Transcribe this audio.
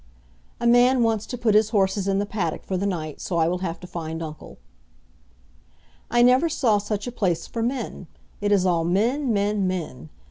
(A man wants to put his horses in the paddock for the night, so I will have to find uncle.) I never saw such a place for men. It is all men, men, men.